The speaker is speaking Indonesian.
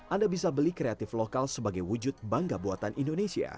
anda bisa beli kreatif lokal sebagai wujud bangga buatan indonesia